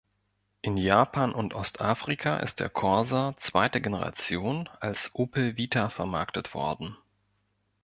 In Japan und Ostafrika ist der Corsa zweiter Generation als Opel Vita vermarktet worden.